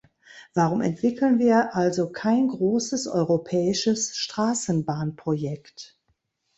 Warum entwickeln wir also kein großes europäisches Straßenbahnprojekt?